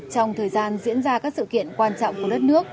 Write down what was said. trong thời gian diễn ra các sự kiện quan trọng của đất nước